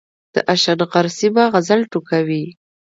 د اشنغر سيمه غزل ټوکوي